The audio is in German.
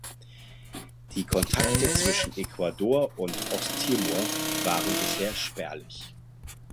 Die Kontakte zwischen Ecuador und Osttimor waren bisher spärlich.